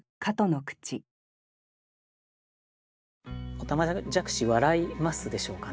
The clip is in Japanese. おたまじゃくし笑いますでしょうかね。